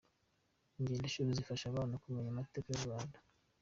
Ingendoshuri zifasha abana kumenya amateka y’u Rwanda